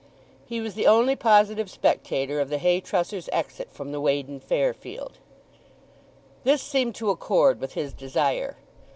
He was the only positive spectator of the hay trusser's exit from the Weydon Fair field. This seemed to accord with his desire.